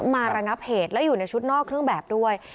ระงับเหตุแล้วอยู่ในชุดนอกเครื่องแบบด้วย